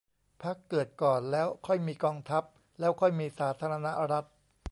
พรรคเกิดก่อน แล้วค่อยมีกองทัพ แล้วค่อยมีสาธารณรัฐ